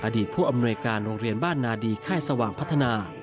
ผู้อำนวยการโรงเรียนบ้านนาดีค่ายสว่างพัฒนา